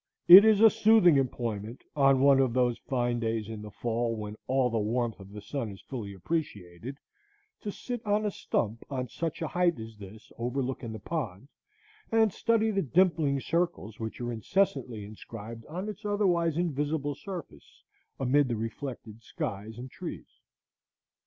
It is a soothing employment, on one of those fine days in the fall when all the warmth of the sun is fully appreciated, to sit on a stump on such a height as this, overlooking the pond, and study the dimpling circles which are incessantly inscribed on its otherwise invisible surface amid the reflected skies and trees.